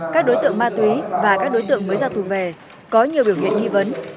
các đối tượng ma túy và các đối tượng mới ra tù về có nhiều biểu hiện nghi vấn